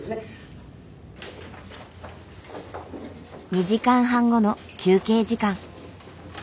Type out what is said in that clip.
２時間半後の休憩時間。